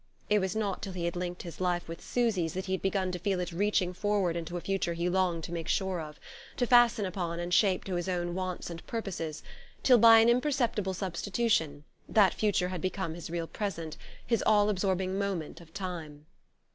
It was not till he had linked his life with Susy's that he had begun to feel it reaching forward into a future he longed to make sure of, to fasten upon and shape to his own wants and purposes, till, by an imperceptible substitution, that future had become his real present, his all absorbing moment of time.